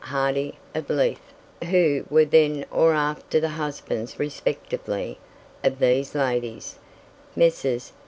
Hardie, of Leith, who were then or after the husbands respectively of these ladies; Messrs.